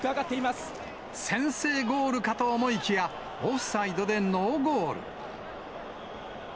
先制ゴールかと思いきや、オフサイドでノーゴール。